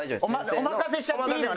お任せしちゃっていいのね？